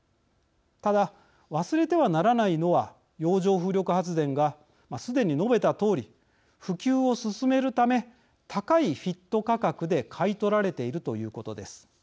ただ忘れてはならないのは洋上風力発電がすでに述べたとおり普及を進めるため高いＦＩＴ価格で買い取られているということです。